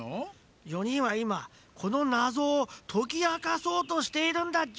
４にんはいまこのなぞをときあかそうとしているんだっち。